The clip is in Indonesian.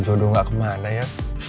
jodoh gak kemana ya